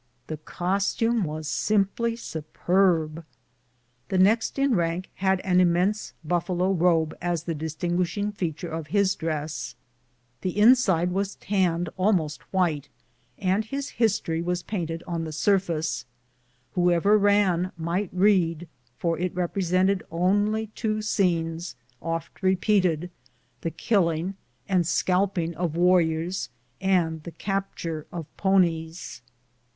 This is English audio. The costume was simply superb. The next in rank had an immense buffalo robe as the distinguishing feature of his dress. The inside was 213 BOOTS AND SADDLES. tanned almost white, and his history was painted on the surface. Whoever ran might read, for it represented only two scenes, oft repeated — the killing and scalping of warriors and tlie capture of ponies.